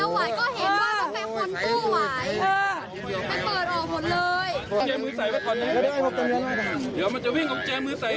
แล้วไหว้ก็เห็นว่าเออไม่เปิดออกหมดเลยเดี๋ยวมันจะวิ่งกับเจมือใส่